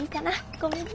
ごめんね。